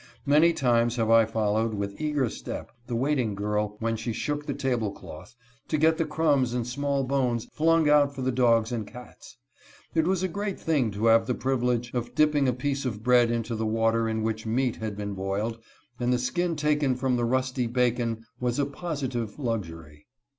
Many times have I followed, with eager step, the waiting girl when she shook the table cloth, to get the crumbs and small bones flung out for the dogs and cats. It was a great thing to have the privilege of dipping a piece of bread into the water in which meat had been boiled, and the skin taken from the rusty bacon was a positive lux ury.